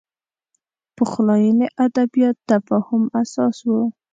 پخلاینې ادبیات تفاهم اساس و